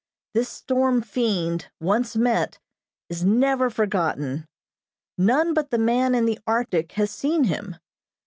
This storm fiend, once met, is never forgotten. None but the man in the Arctic has seen him.